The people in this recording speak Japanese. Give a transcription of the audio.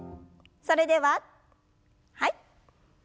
それでははい。